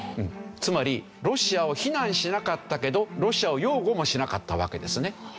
つまりロシアを非難しなかったけどロシアを擁護もしなかったわけですね。